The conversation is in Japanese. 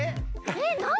えっなに？